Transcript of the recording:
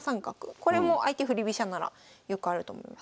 これも相手振り飛車ならよくあると思います。